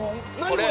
これ。